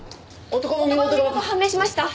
男の身元判明しました！